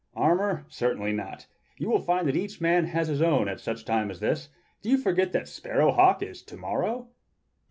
Armor? Certainly not! You will find that each man has need of his own at such a time as this. Do you forget that the Sparrow Hawk is to morrow?"